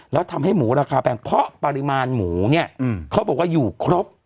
แล้วทำให้หมูราคาแพงเพราะปริมาณหมูเนี่ยเขาบอกว่าอยู่ครบ